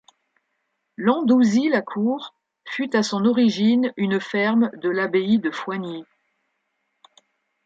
Landouzy-la-Cour fut à son origine une ferme de l'abbaye de Foigny.